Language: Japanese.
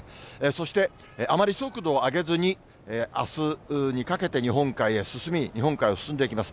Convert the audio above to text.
そしてあまり速度を上げずに、あすにかけて日本海へ進み、日本海を進んでいきます。